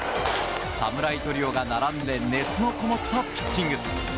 侍トリオが並んで熱のこもったピッチング。